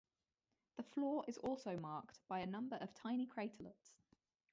The floor is also marked by a number of tiny craterlets.